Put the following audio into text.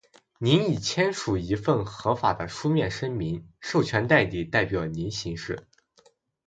您已签署一份合法的书面声明，授权代理代表您行事。